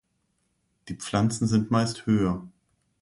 Die Pflanzen sind meist höher.